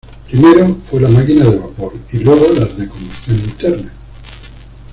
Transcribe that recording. Primero fue la máquina de vapor y luego las de combustión interna.